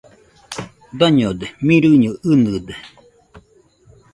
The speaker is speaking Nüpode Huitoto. Dañode, mirɨño iñede.